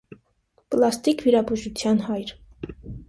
«Պլաստիկ վիրաբուժության հայր»։